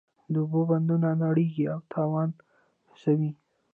د اوبو بندونه نړیږي او تاوان رسوي.